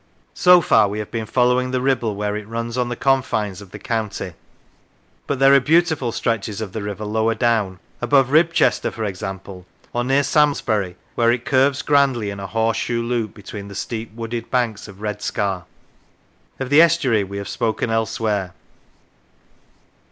So far we have been following the Kibble where it runs on the confines of the county. But there are beautiful stretches of the river lower down: above Ribchester, for example, or near Samlesbury, where it curves grandly in a horseshoe loop beneath the steep wooded banks of Redscar. Of the estuary we have spoken elsewhere.